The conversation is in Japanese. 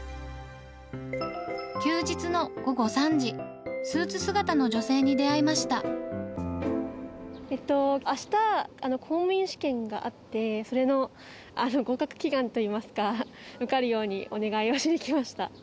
休日の午後３時、あした、公務員試験があって、それの合格祈願といいますか、受かるようにお願いをしに来ました。